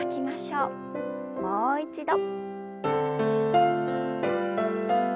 もう一度。